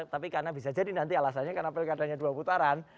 tapi karena bisa jadi nanti alasannya karena pilkadanya dua putaran